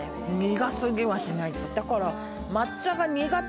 苦過ぎはしないですだから。